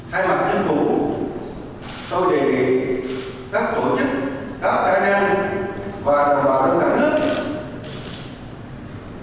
hai mặt nhân thủ tôi đề nghị các tổ chức các an ninh và đồng bào trong cả nước